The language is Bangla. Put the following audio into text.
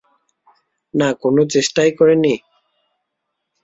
না কোনো চেষ্টাই করে নি?